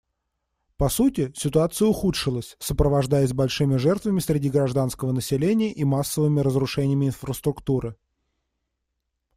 По сути, ситуация ухудшилась, сопровождаясь большими жертвами среди гражданского населения и массовыми разрушениями инфраструктуры.